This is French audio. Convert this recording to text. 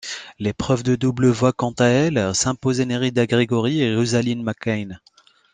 L'épreuve de double voit quant à elle s'imposer Nerida Gregory et Rosalyn McCann.